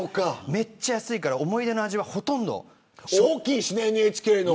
めちゃくちゃ安いから思い出の味はほとんど。